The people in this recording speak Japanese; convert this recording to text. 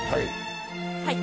はい。